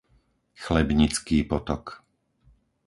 Chlebnický potok